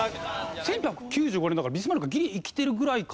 １８９５年だからビスマルクギリ生きてるぐらいかなと。